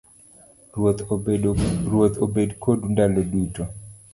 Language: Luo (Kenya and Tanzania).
Ruoth obed kodu ndalo duto.